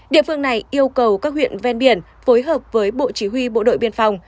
địa phương này yêu cầu các huyện ven biển phối hợp với bộ chỉ huy bộ đội biên phòng